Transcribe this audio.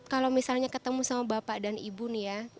kalau misalnya ketemu sama bapak dan ibu nih ya